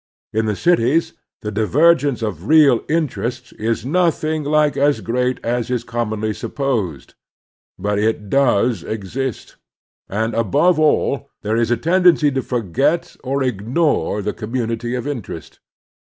In the cities the divergence of real interests is nothing like as great as is com monly supposed ; but it does exist, and, above all, there is a tendency to fa get or ignore the commu nity of interest.